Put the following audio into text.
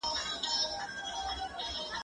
زه پرون ليکلي پاڼي ترتيب کوم!؟